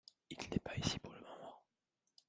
Il n'est pas ici pour le moment.